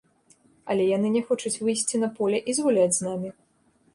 Але яны не хочуць выйсці на поле і згуляць з намі.